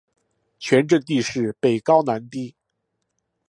全镇地势北高南低。